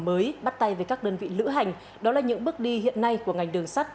mới bắt tay với các đơn vị lữ hành đó là những bước đi hiện nay của ngành đường sắt